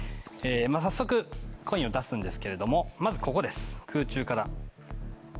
早速コインを出すんですけれどもまずここです空中から。